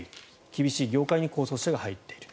厳しい業界に高卒者が入っている。